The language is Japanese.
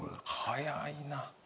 早いな。